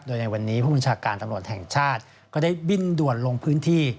โดยในวันนี้ผู้บัญชาการตำรวจแห่งชาติก็ได้บินด่วนลงพื้นที่